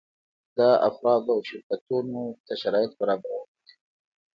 دا افرادو او شرکتونو ته شرایط برابرول دي.